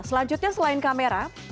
selanjutnya selain kamera